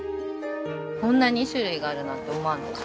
こんなに種類があるなんて思わなかった。